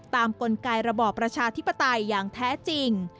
กลไกรระบอบประชาธิปไตยอย่างแท้จริง